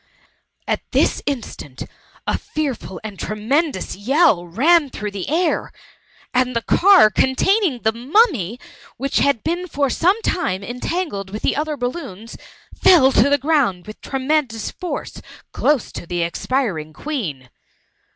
At this instant, a fearful and tremendous yell ran through the air; and the car con taining the Mummy, which had been for some time entangled with the other balloons, fell 886 THE MUMMY. to the ground with tremendous force, close to the expiring Queen.